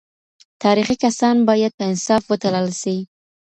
تاريخي کسان بايد په انصاف وتلل سي.